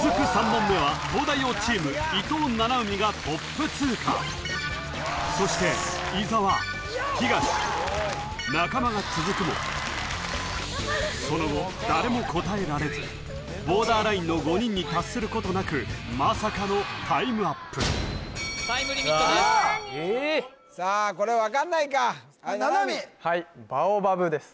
３問目は東大王チーム伊藤七海がトップ通過そして伊沢東中間が続くもその後誰も答えられずボーダーラインの５人に達することなくまさかのタイムアップタイムリミットですさあこれ分かんないか七海はいバオバブです